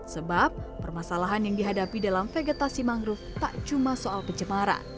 sebab permasalahan yang dihadapi dalam vegetasi mangrove tak cuma soal pencemaran